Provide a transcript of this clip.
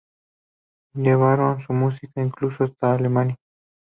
Llevaron su música incluso hasta Alemania.